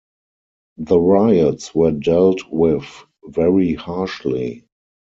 The riots were dealt with very harshly.